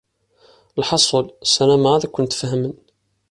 Lḥaṣul, ssarameɣ ad kent-fehmen.